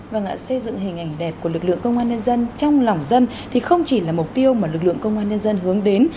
vâng ạ xây dựng hình ảnh đẹp của lực lượng công an nhân dân trong lòng dân thì không chỉ là mục tiêu mà lực lượng công an nhân dân hướng đến